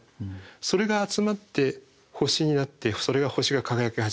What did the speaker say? それが集まって星になってそれが星が輝き始めて。